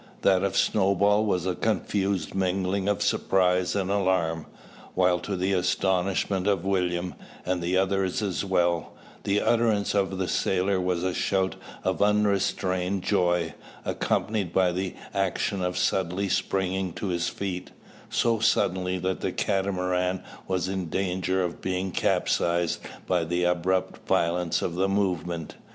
That of Snowball was a confused mingling of surprise and alarm; while to the astonishment of William, and the other as well, the utterance of the sailor was a shout of unrestrained joy, accompanied by the action of suddenly springing to his feet, so suddenly that the Catamaran was in danger of being capsized by the abrupt violence of the movement.